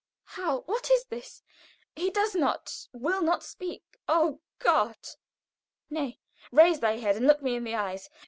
How! What's this? He does not, will not speak. Oh, God! Nay, raise thy head and look me in the eyes!